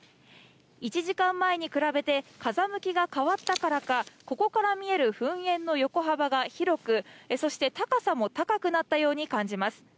１時間前に比べて風向きが変わったからか、ここから見える噴煙の横幅が広く、そして高さも高くなったように感じます。